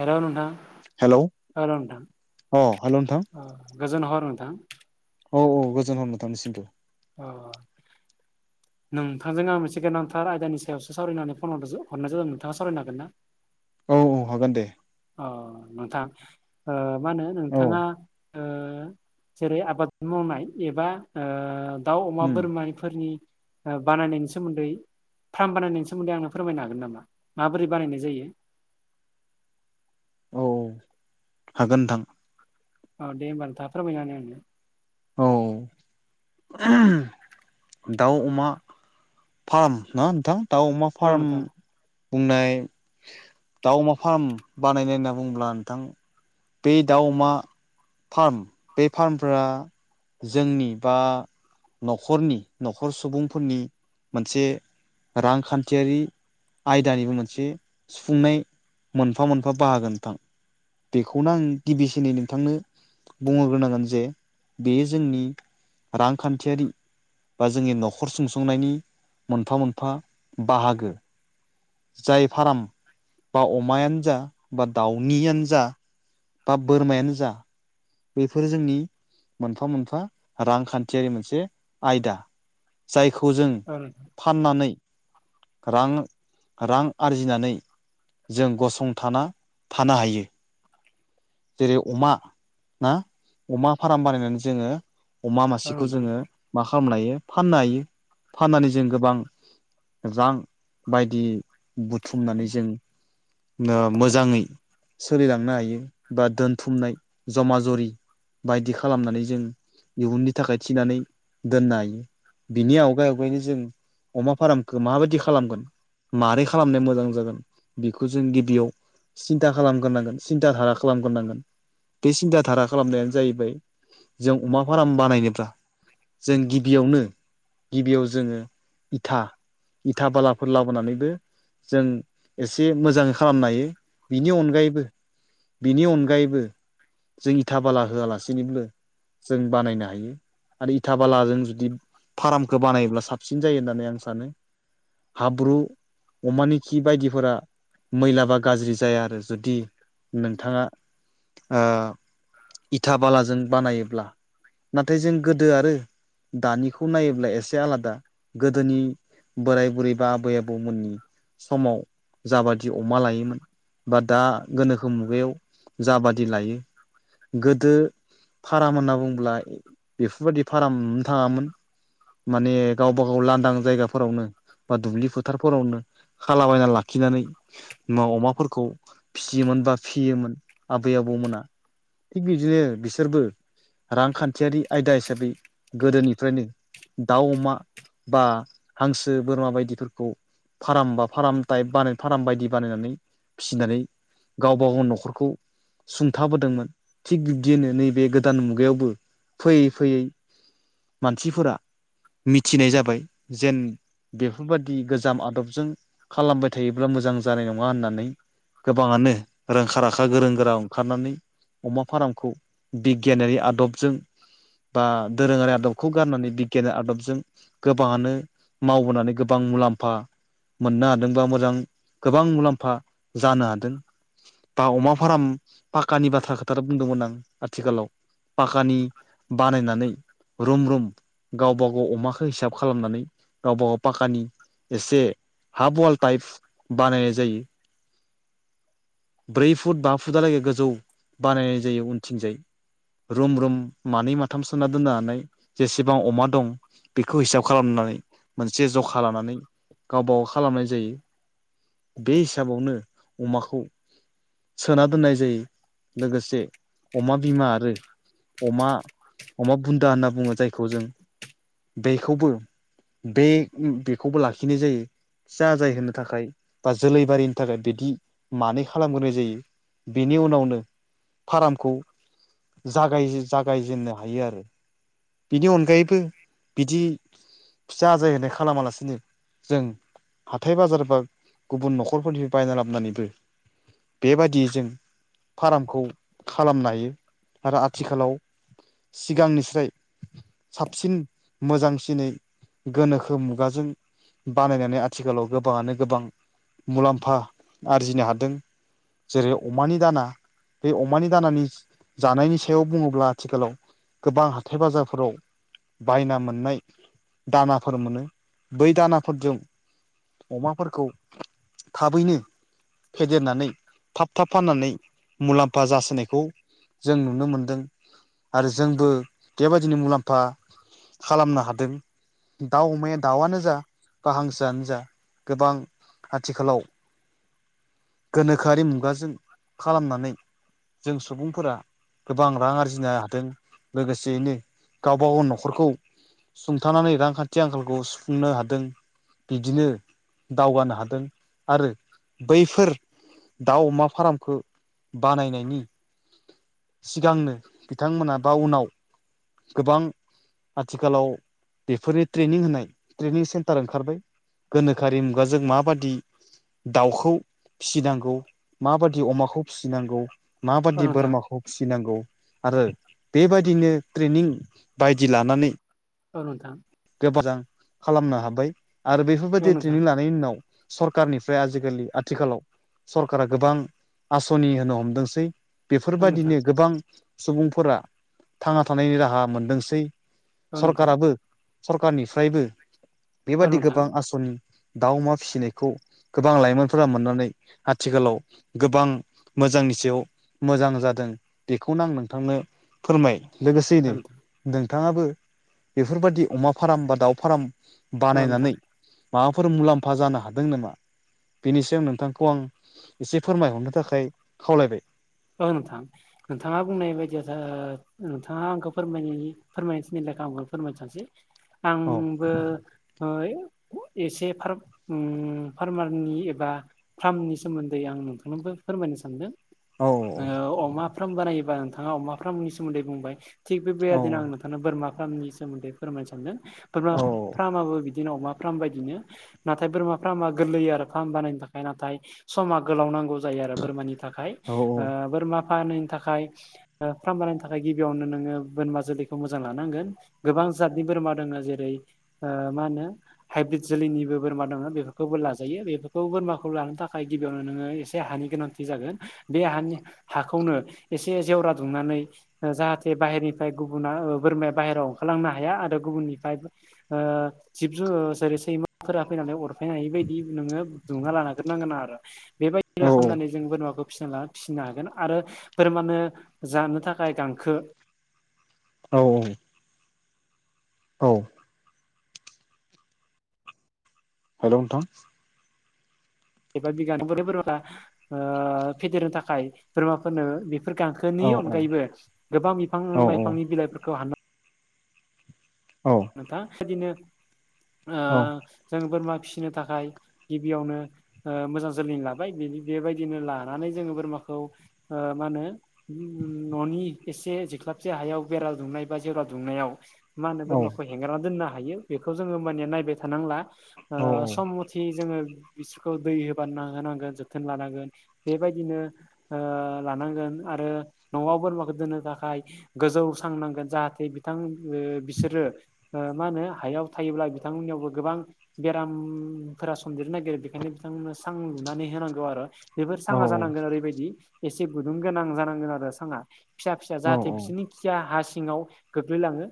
हेल' नोंथां? Hello hello नोंथां अ हेल' नोंथां गोजोन हर नोंथां। औ औ गोजोन हनोथांनिसिमबो। अह। नोंथांजों आंहा मोनसे गोनांथार आयदानि सायावसो सावरायनानै फनाव हरनाय जादों नोंथाङा सावरायनो हागोन ना? औ औ हागोन दे। अ नोंथां मा होनो औ नोंथाङा जेरै आबाद मावनाय एबा दाउ अमा उम बोरमानि फोरनि बानायनायनि सोमोन्दै फार्म बानायनायनि सोमोन्दै आंनो फोरमायनो हागोन नामा माबोरै बानायनाय जायो? औ हागोन नोंथां। औ दे होमबा नोंथाङा फोरमायना होनाय आंनो। औ। दाउ अमा फार्म ना नोंथां दाउ अमा औ फार्म नोंथां बुंनाय दाउ अमा फार्म बानायनाय होनना बुंङोब्ला नोंथां बे दाउ अमा फार्म बे फार्मफोरा जोंनि बा न'खरनि न'खर सुबुंफोरनि मोनसे रांखान्थियारि आयदानिबो मोनसे सुफुंनाय मोनफा मोनफा बाहागो नोंथां बेखौनो आं गिबिसिनै नोंथांनो बुंहोग्रोनांगोन जे बे जोंनि रांखान्थियारि बा जोंनि न'खर सुंसुंनायनि मोनफा मोनफा बाहागो। जाय फार्म बा अमायानो जा बा दाउनियानो जा बा बोरमायानो जा बेफोरो जोंनि मोनफा मोनफा रांखान्थियारि मोनसे आयदा जायखौ जों औ नोंथां फाननानै रां रां आरजिनानै जों गसंथाना थानो हायो। जेरै अमा ना अमा फार्म बानायनानै जोंङो अमा औ मासेखौ नोंथां जोंङो मा खालामनो हायो फाननो हायो फाननानै जों गोबां रां बायदि बुथुमनानै जों ओ मोजाङै सोलिलांनो हायो। बा दोनथुमनाय जमा जरि बायदि खालामनानै जों इयुननि थाखाय थिनानै दोननो हायो। बिनि आवगाय आवगायनो जों अमा फार्मखौ माबायदि खालामगोन। मारै खालामनाया मोजां जागोन बेखौ जों गिबियाव सिन्था खालामग्रोनांगोन सिन्था धारा खालामग्रोनांगोन बे सिन्था धारा खालामनायानो जाहैबाय जों अमा फार्म बानायनोब्ला जों गिबियावनो गिबियाव जोंङो इथा इथा बालाफोर लाबोनानैबो जों एसे मोजां खालामनो हायो बिनि अनगायैबो बिनि अनगायैबो जों इथा बाला होआलासिनोबो जों बानायनो हायो। आरो इथा बालाजों जुदि फार्मखौ बानायोब्ला साबसिन जायो होननानै आं सानो। हाब्रु अमानि खि बायदिफोरा मैलाबा गाज्रि जाया आरो जुदि नोंथाङा ओ इथा बालाजों बानायोब्ला नाथाय जों गोदो आरो दानिखौ नायोब्ला एसे आलादा गोदोनि बोराइ बुरै बा आबै आबौमोननि समाव जाबादि अमा लायोमोन बा दा गोनो खो मुगायाव जाबादि लायो। गोदो फाराम होनना बुंङोला बेफोरबायदि फाराम नुनो थाङामोन। माने गावबा गाव लांदां जायगाफोरावनो बा दुब्लि फोथार फोरावनो खालाबायना लाखिनानै अमाफोरखौ फिसियोमोन बा फियोमोन आबै आबौमोना थिग बिदिनो बिसोरबो रांखान्थियारि आयदा हिसाबै गोदोनिफ्रायनो दाउ अमा बा हांसो बोरमा बायदिफोरखौ फाराम बा फार्म तायब बानाय फार्म बायदि बानायनानै फिसिनानै गावबा गाव न'खरखौ सुंथाबोदोंमोन थिग बिब्दिनो नैबे गोदान मुगायावबो फैयै फैयै मानसिफोरा मिथिनाय जाबाय जेन बेफोरबायादि गोजाम आदबजों खालामबाय थायो ब्ला मोजां जानाय नङा होननानै गोबाङानो गोरोंखा राखा गोरों गोरा ओंखारनानै अमा फारामखौ बिगियानारि आदब जों बा दोरोङारि आदबखौ गारनानै बिगियान आदबजों गोबाङानो मावबोनानै गोबां मुलाम्फा मोनो हा होमबा मोजां गोबां मुलाम्फा जानो हादों बा अमा फार्म पाक्कानि बाथ्रा खोथा बुंदोंमोन आं आथिखालाव पाकानि बानायनानै रुम रुम गावबा गाव अमाखौ हिसाब खालामनानै गावबा गाव पकानि एसे हाफ वाल टाइपह बानायनाय जायो ब्रै फुट बा फुटहालागै गोजौ बानायनाय जायो उनथिंजाय रुम रुम मानै माथाम सोहना दोननानै जेसेबां अमा दं बेखौ हिसाब खालामनानै मोनसे ज'खा लानानै गाव गाव खावलाम खालामनाय जायो बे हिसाबावनो अमाखौ सोना दोननाय जायो लोगोसे अमा बिमा आरो अमा अमा बुनदा होनना बुङो जायखौ जों बेखौबो बे बेखौबो लाखिनाय जायो फिसा‌ जाय होनो थाखाय बा जोलैबारिनि थाखाय बिदि मानै खालामग्रोनाय जायो बेनि उनावनो फार्मखौ जागाय जागायजेननो हायो आरो बिनि अनगायै अनगायैबो बिदि फिसा आजयहोनाय खालामालासिनो जों हाथाय बाजार बा गुबुन न'ख'रफोरनिफाय बायना लाबोनानैबो बेबादियै जों फार्मखौ खालामनो हायो आरो आथिखालाव सिगांनिफ्राय साबसिन मोजांसिनै गोनोखो मुगाजों बानायनानै आथिखालाव गोबांआनो गोबां मुलाम्फा आरजिनो हादों जेरै अमानि दाना बे अमानि दानानि जि जानायनि सायाव बुङोब्ला आथिखालाव गोबां हाथाय बाजारफोराव बाहायना मोननाय दानाफोर मोनो बै दानाफोरजों अमाफोरखौ थाब फेदेरनानै थाब थाब फाननानै मुलामफा जासोनायखौ जों नुनो मोनदों आरो जोंबो बेबादिनो मुलाम्फा खालामनो हादों दाउ अमाया दाउआनो जा बा हांसोआनो जा गोबां आथिखालाव गोनोखोआरि मुगाजों खालामनानै जों सुबुंफोरा गोबां रां आरजिनो हादों लोगोसेयैनो गावबा गाव न'ख'रखौ सुंथानानानै रांखान्थि आंखालखौ सुफुंनो हादों इदिनो दावगानो हादों आरो बैफोर दाउ अमा फार्मखौ बानायनायनि सिगांनो बिथांमोना बा उनाव गोबां आथिखालाव बेफोरनि ट्रेनिं होननाय ट्रेनिं सेनटार ओंखारबाय गोनोखोरि मुगाजों माबायदि दाउखौ फिसिनांगौ माबादि अमाखौ फिनांगौ औ माबादि नोंथां बोरमाखौ फिसिनांगौ आरो बेबादिनो ट्रेनिं बायदि लानानै औ नोंथां गोब मोजां खालामनो हाबाय आरो औ बेफोरबादि नोंथां ट्रेनिं लानायनि उनाव सरखारनिफ्राय आजिखालि आथिखालाव सरखारा गोबां आस'नि होनो हमदोंसै औ नोंथां बेफोरबादिनो गोबां सुबुंफोरा थांना थानायनि राहा मोनदोंसै औ नोंथां सरखाराबो सरखारनिफ्रायबो औ बेबादि नोंथां गोबां आस'नि दाउ अमा फिसिनायखौ गोबां लाइमोनफोरा मोननानै आथिखालाव गोबां मोजांनि सायाव मोजां जादों बेखौनो आं नोंथांनो फोरमाय लोगोसेयैनो औ नोंथां नोंथांआबो बेफोरबादि अमा फार्म बा दाउ फार्म औ नोंथां बानायनानै माबाफोर मुलामफा जानो हादों नामा बेनि सायाव आं नोंथांखौ आं एसे फोरमायहरनो थाखाय खावलायबाय औ नोंथां नोंथांआ बुंनाय बायदि जा‌ नोंथांआ आंखौ फोरमाय फोरमायनो थोननाय लेखा आंखौ फोरमायनो थोंनोसै औ आंबो है एसे फार उम फार्मारनि एबा फार्मनि सोमोन्दै आं नोंथांननोबो फोरमायनो सानदों औ ओव अमा फ्रार्म बानायोबा नोंथाङा अमा फ्रार्मनि सोमोन्दै बुंबाय थिग बे औ बेयादिनो आं नोंथांनो बोरमा प्रार्मनि सोमोन्दै फोरमायनो सानदों बोरमा औ प्रार्माबो बि बिदिनो अमा फ्राम बायदिनो नाथाय बोरमा प्रामा गोरलैयो आरो फ्रामा बानायनो थाखाय नाथाय समा गोलावनांगौ जायो आरो बोरमानि थाखाय औ ओ बोरमा फानोनि थाखाय ओ फ्राम बानायनो थाखाय गिबियावनो नोङो बोरमा जोलैखौ मोजां लानांगोन गोबां जातनि बोरमा दोङो जेरै ओ मा होनो? हाइब्रिद जोलैनिबो बोरमा दोङो बेफोरखौबो लाजायो बेफोरखौ बोरमाखौ लानो थाखाय गिबियावनो नोङो एसे हानि गोनां थि जागोन बे हानि हाखौनो एसे जेवरा दुंनानै जाहाथे बाहेरनिफ्राय गुबुना ओ बोरमाया बाहेरायाव ओंखारलांनो हाया आरो गुबुननिफ्राय ओ जिब जु जेरै सैमाफोरा फैनानै अरफैनो हि बायदि नोङो दुमना लाग्रोनांगोन आरो औ बेबायदिनो खामनानै जों बोरमाखो फिसिला फिसिनो हागोन आरो फोरमानो जानो थाखाय गांखो औ औ औ हेलौ नोंथां। [unintelligible] ओ फेदेरनो थाखाय बोरमाफोरनो फोर गांखोनि औ औ अनगायैबो गोबां बिफां औ लाइफांनि बिलाइफोरखौ हानना औ। नोंथां बिदिनो ओ औ जों बोरमा फिसिनो थाखाय गिबियावनो ओ मोजां जोलैनि लाबाय बिनि बेबायदिनो लानानै जों बोरमाखौ ओ माहोनो ननि एसे जिख्लाबसे हायाव बेरा दुमनाय बा जेवरा दुमनायाव मा होनो औ बोरमाखौ हेंगारना दोननो हायो बेखौ जोङो होमबानिया नायबाय थानांला। ओ औ सम मथि जोङो बिसीखौ दै होबाना होनांगोन जोथोन लानांगोन बेबायदिनो ओ लानांगोन आरो न'आव बोरमाखौ दोननो थाखाय गोजौ सां नांगोन जा ओ मा होनो हायाव थायोब्ला बिथांमोननियावबो गोबां बेरामफोरा सोमदेरनो नागिरो बेखायनो बिथांमोननो सां लुनानै होनांगौ आरो। बेफोर औ साङा जानांगोन ओरैबायदि एसे गुदुं गोनां जानांगोन आरो साङा फिसा फिसा औ जाहाथे बिसिनि खिया हा सिङाव गोग्लैलाङो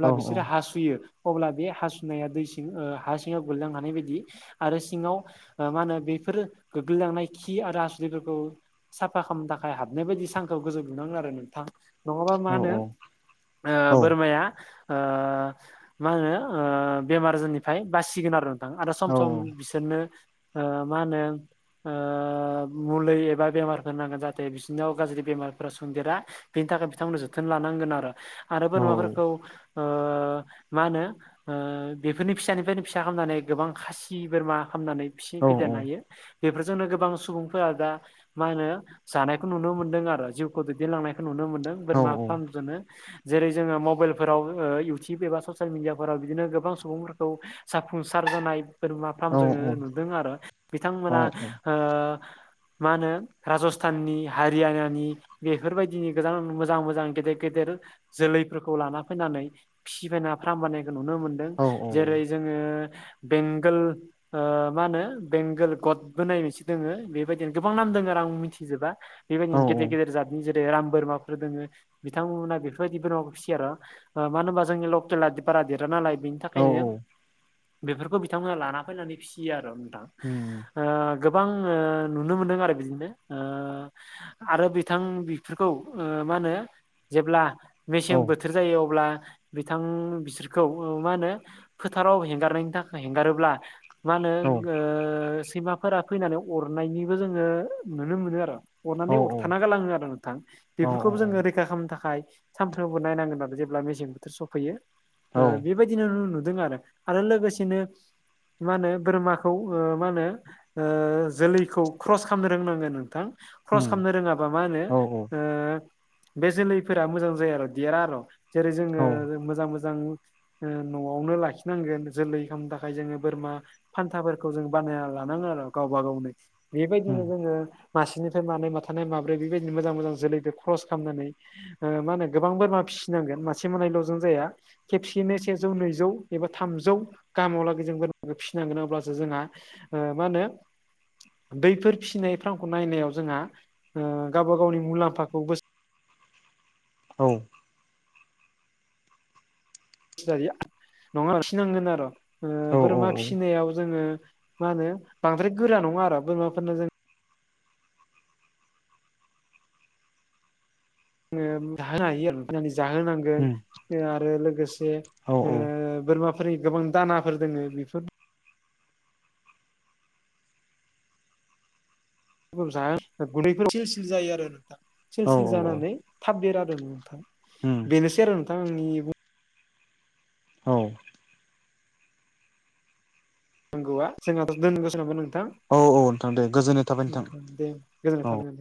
औ बिसि हासुयो अब्ला बे हासुनाया दै सिं ओ हा सिङाव गोलैलांनो हानाय बायदि आरो सिङाव ओ मा होनो बेफोर गोग्लैलांनाय खि आरो हासुदैफोरखौ साफा खालामनो थाखाय हाबनाय बायदि सांखौ गोजौ लुनांगोन आरो नोंथां। नङाबा मा होनो औ ओ बोरमाया ओ मा होनो ओ बेमार आजार निफ्राय बासिगोन आरो नोंथां आरो सम सम बिस सोरनो ओ मा होनो ओ मुलि एबा बेमारफोर नांगोन जाहाथे बिसोरनाव गाज्रि बेमारफोरा सन्देरा। बेनि थाखाय बिथांमोनखो जोथोन लानांगोन आरो आरो बोरमाफोरखौ ओ मा होनो ओ बेफोरनि फिसानिफ्रायनो फिसा खालामनानै गोबां खासि बोरमा खालामनानै फिसि फेदेरनो हायो। बेफोरजोंनो गोबां सुबुंफोरा दा मा होनो जानायखौ नुनो मोनदों आरो जिउखौ दैदेनलांनाय खो नुनो मोनदों बोरमा फार्म जोंनो जेरै जोङो मबेल फोराव ओ इउटिब एबा ससियेल मिडियाफोराव बिदिनो गोबां सुबुंफोरखौ जाफुंसार जानाय बोरमा फार्म जोङो नुदों आरो बिथांमोना ओ मा होनो राजस्थाननि हारियानानि बेफोरबायदिनि गोबां मोजां मोजां गेदेर गेदेर जोलैफोरखौ लाना फैनानै फिसिबायना फार्म बानानायखौ नुनो मोनदों औ जेरै जोङो बेंगोल ओ मा होनो बेंगोल गदबो नायनोसो दोङो बेबायदिनो गोबां नाम दङो आरो आंबो मिथिजोबा औ बेबादिनो औ गेदेर गदेर जादनि ज राम बोरमाफोर दोङो बिथांमोना बेफोरबायदि बोरमाखौ फिसियो आरो ओ मानो होनोबा जोंनि लकेेलदि बारा देरा नालाय बेनि थाखायनो बेफोरखौ बिथांमोना लाना फैनानै फिसियो आरो नोंथां। उम। ओ गोबां ओ नुनो मोनदों आरो बिदिनो ओ आरो बिथां बेफोरखौ ओ मा होनो जेब्ला औ मेसें बोथोर जायो अ अब्ला बिथां बिसोरखौ ओ मा होनो फोथाराव हेंगारनायनि थाखाय हेंगारोब्ला मा होनो ओ सैमाफोरा फैनानै अरनायनिबो जोङो नुनो मोनो आरो। औ अरनानै अरथाना गालाङो आरो नोंथां औ बेफोरखौबो जोङो रैखा खालामनो थाखाय सानफ्रोमबो नायनांगोन आरो जे जेब्ला मेसें बोथोर सफैयो बेबायदिनो नुदों आरो आरो लोगोसेनो मा होनो बोरमाखौ ओ मा होनो ओ जोलैखौ क्रस खालामनो रोंनांगोन नोंथां। क्रस उम खालामनो रोङाबा मा होनो औ औ उम औ ओ बे जोलैफोरा मोजां जाया आरो देरा आरो' जेरै जोङो औ मोजां मोजां न'आवनो लाखिनांगोन जोलै खालामनो थाखाय जोङो बोरमा फान्थाफोरखौ जों बानायना लानाङो आरो गावबा गावनो उम बेबायदिनो जोङो मासेनिफ्राय मानै माथानाय माब्रै बेबायदि मोजां मोजां जोलै बे क्रस खालामनानै मा होनो गोबां बोरमा फिसिनांगोन मासे मोनायल'जों जाया खेबसेयैनो सेजौ नैजौ एबा थामजौ गाहामावलागै जों बोरमा फिसिनांगोन अब्लासो जोंहा ओ मा होनो बैफोर फिसिनाय फार्मखौ नायनायाव जोंहाओ गावबा गावनि मुलाम्फाखौ बोस औ [inaudible] फिसिनांगोन आरो बोरमा फिसिनायाव जोङो मा होनो बांद्राय गोरा नङा आरो बोरमाफोरनो जों जाहोनो हायो आरो जाहोनांगोन आरो लोगोसे औ जे औ बोरमाफोरनि गोबां दानाफोर दोङो बेफोर जाहोनो गुदैफोर सेलसिल जायो आरो नोंथां औ सलसिल जानानै थाबदेरो आरो नोंथा उम बेनोसै आरो नोंथां आंनि बुं औ नंगौआ जोंहाथ' दोनगौसो नामोन नोंथां औ नोंथां दे गोजोननाय थाबाय नोंथां दे गोजोननाय औ थाबाय